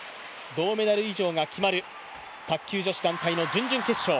銅メダル以上が決まる、卓球女子団体の準々決勝。